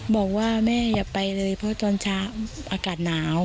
บอกว่าแม่อย่าไปเลยเพราะตอนเช้าอากาศหนาว